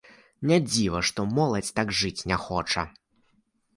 Не дзіва, што моладзь так жыць не хоча.